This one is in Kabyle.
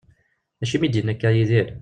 Acimi i d-yenna akka Yidir?